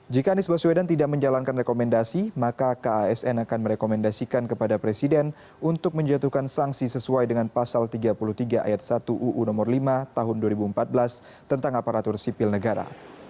jika anies baswedan tidak menjalankan rekomendasi maka kasn akan merekomendasikan kepada presiden untuk menjatuhkan sanksi sesuai dengan pasal tiga puluh tiga ayat satu uu nomor lima tahun dua ribu empat belas tentang aparatur sipil negara